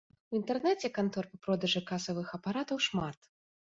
У інтэрнэце кантор па продажы касавых апаратаў шмат.